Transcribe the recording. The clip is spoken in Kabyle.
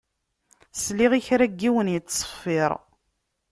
Sliɣ i kra n yiwen yettṣeffiṛ.